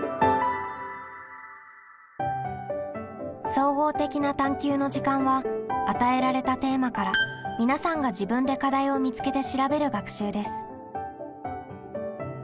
「総合的な探究の時間」は与えられたテーマから皆さんが自分で課題を見つけて調べる学習です。